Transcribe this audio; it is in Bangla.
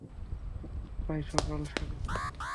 প্রায় সকাল সাড়ে ছয়টা।